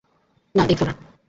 না, দেখত না।